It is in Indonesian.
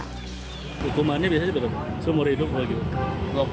hukumannya biasanya berapa sumur hidup